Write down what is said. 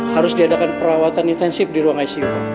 harus diadakan perawatan intensif di ruang icu